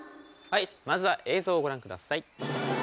はいまずは映像をご覧ください。